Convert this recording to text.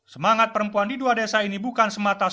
semangat perempuan di dua desa ini bukan semata